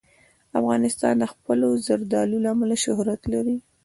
افغانستان د خپلو زردالو له امله شهرت لري.